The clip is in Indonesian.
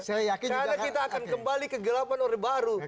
karena kita akan kembali ke gelapan orang baru